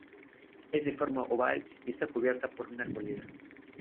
Es de forma oval y está cubierta por una arboleda.